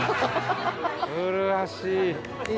麗しい。